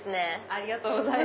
ありがとうございます。